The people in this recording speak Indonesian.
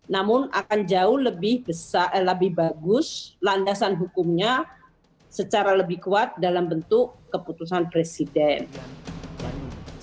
namun akan jauh lebih bagus landasan hukumnya secara lebih kuat dalam bentuk keputusan presiden